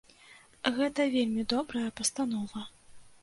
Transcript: Гэта вельмі добрая пастанова.